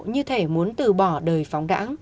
như thể muốn từ bỏ đời phóng đảng